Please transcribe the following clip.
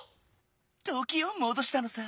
ときをもどしたのさ！